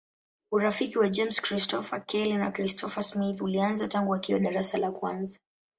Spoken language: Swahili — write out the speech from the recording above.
Urafiki wa James Christopher Kelly na Christopher Smith ulianza tangu wakiwa darasa la kwanza.